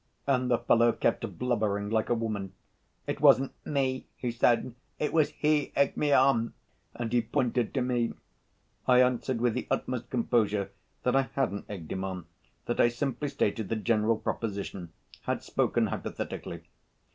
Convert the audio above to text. And the fellow kept blubbering like a woman. 'It wasn't me,' he said, 'it was he egged me on,' and he pointed to me. I answered with the utmost composure that I hadn't egged him on, that I simply stated the general proposition, had spoken hypothetically.